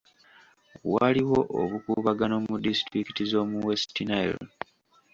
Waliwo obukuubagano mu disitulikiti z'omu West Nile